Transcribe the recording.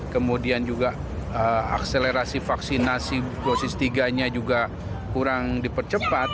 kemudian juga akselerasi vaksinasi dosis tiga nya juga kurang dipercepat